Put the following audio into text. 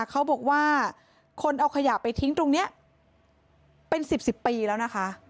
เขาบอกว่าคนเอาขยะไปทิ้งตรงนี้เป็น๑๐ปีแล้วนะคะ